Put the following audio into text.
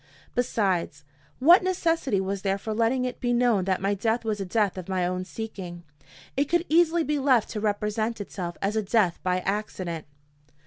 Besides, what necessity was there for letting it be known that my death was a death of my own seeking? It could easily be left to represent itself as a death by accident.